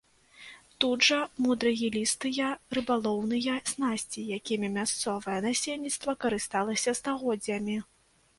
Тут жа мудрагелістыя рыбалоўныя снасці, якімі мясцовае насельніцтва карысталася стагоддзямі.